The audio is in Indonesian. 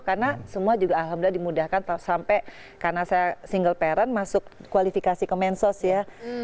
karena semua juga alhamdulillah dimudahkan sampai karena saya single parent masuk kualifikasi ke mensos ya